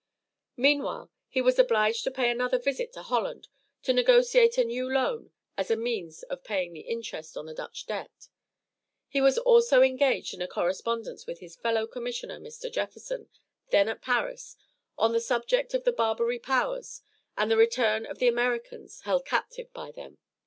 Meanwhile he was obliged to pay another visit to Holland to negotiate a new loan as a means of paying the interest on the Dutch debt. He was also engaged in a correspondence with his fellow commissioner, Mr. Jefferson, then at Paris, on the subject of the Barbary powers and the return of the Americans held captive by them.